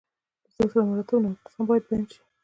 د سلسله مراتبو نواقص هم باید بیان شي.